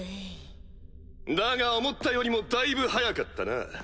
だが思ったよりもだいぶ早かったな。